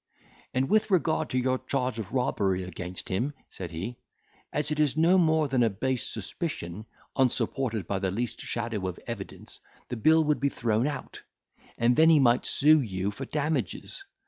"And with regard to your charge of robbery against him," said he, "as it is no more than a base suspicion, unsupported by the least shadow of evidence, the bill would be thrown out, and then he might sue you for damages.